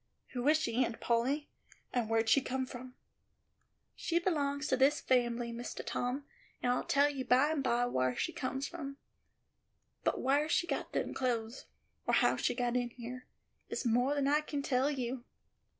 "Who is she, Aunt Polly, and where'd she come from?" "She belongs to this fambly, Mistah Tom, and I'll tell you by and by whar she come from; but whar she got them clothes, or how she got in here, is more than I can tell you."